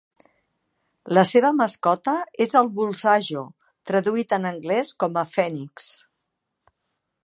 La seva mascota és el bulsajo, traduït en anglès com a "Phoenix".